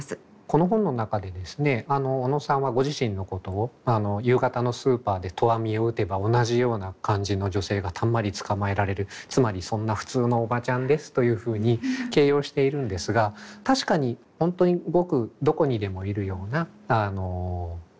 この本の中でですね小野さんはご自身のことを「夕方のスーパーで投網を打てば同じような感じの女性がたんまり捕まえられる、つまりそんな普通のおばちゃんです」というふうに形容しているんですが確かに本当にごくどこにでもいるような普通のね考え方を持つ。